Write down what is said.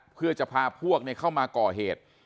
เพื่อจะพาพวกเข้ามาก่อเหตุ